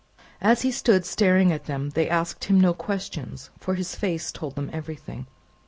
As he stood staring at them, they asked him no question, for his face told them everything.